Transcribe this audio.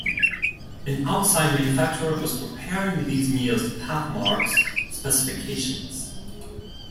An outside manufacturer was preparing these meals to Pathmark's specifications.